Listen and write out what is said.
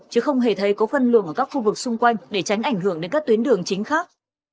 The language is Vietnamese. chứ không hề thấy có phân luồng ở các khu vực xung quanh để tránh ảnh hưởng đến các tuyến đường chính khác